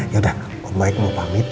yaudah om baik mau pamit ya